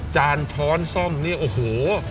จานช้อนซ่อมโอ้โห